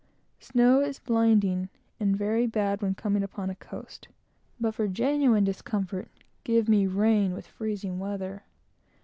Snow is blinding, and very bad when coming upon a coast, but, for genuine discomfort, give me rain with freezing weather.